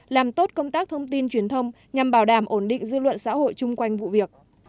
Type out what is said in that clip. làm tốt công tác thông tin truyền thông nhằm bảo đảm ổn định dư luận xã hội chung quanh vụ việc